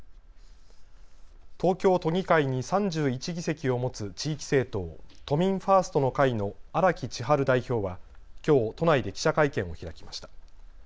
東京都議会に３１議席を持つ地域政党、都民ファーストの会の荒木千陽代表はきょう都内で記者会見を開きました。